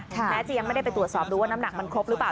แม้จะยังไม่ได้ไปตรวจสอบดูว่าน้ำหนักมันครบหรือเปล่า